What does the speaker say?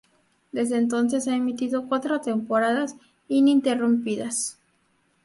Desde entonces, ha emitido cuatro temporadas ininterrumpidas.